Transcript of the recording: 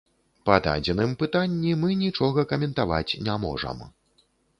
Па дадзеным пытанні мы нічога каментаваць не можам.